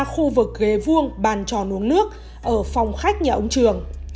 khu vực ghế vuông bàn tròn uống nước ở phòng khách nhà ông trường